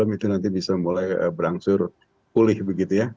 sehingga nanti nanti nanti bisa mulai berangsur pulih begitu ya